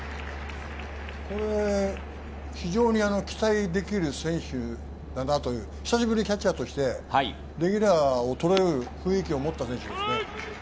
これ非常に期待できる選手だなという、久しぶりにキャッチャーとしてレギュラーを取れる雰囲気を持った選手ですね。